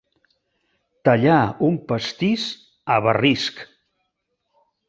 Tallar un pastís a barrisc.